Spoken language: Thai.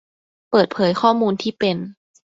เปิดเผยข้อมูลที่เป็น